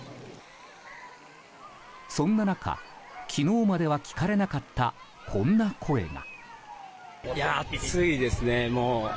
そんな中、昨日までは聞かれなかった、こんな声が。